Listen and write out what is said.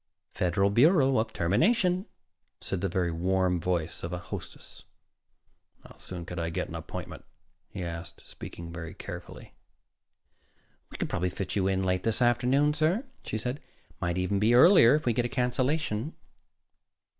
"Federal Bureau of Termination," said the very warm voice of a hostess. "How soon could I get an appointment?" he asked, speaking very carefully. "We could probably fit you in late this afternoon, sir," she said. "It might even be earlier, if we get a cancellation."